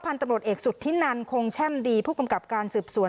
ตำรวจเอกสุธินันคงแช่มดีผู้กำกับการสืบสวน